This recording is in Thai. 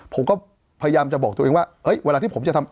ผมก็พยายามจะบอกตัวเองว่าเวลาที่ผมจะทำ